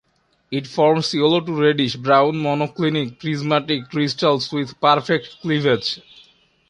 It forms yellow to reddish brown monoclinic-prismatic crystals with perfect cleavage.